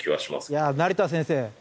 いやあ成田先生。